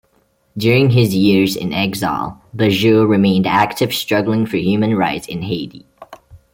During his years in exile, Bajeux remained active struggling for human rights in Haiti.